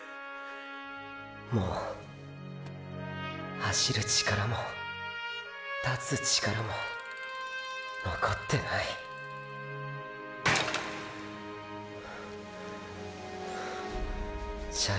もう走る力も立つ力も残ってないハァハァ。